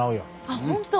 あっ本当。